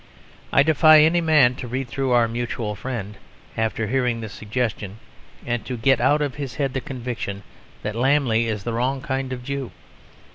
I defy any man to read through Our Mutual Friend after hearing this suggestion, and to get out of his head the conviction that Lammle is the wrong kind of Jew.